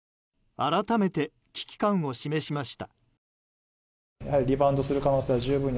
改めて、危機感を示しました。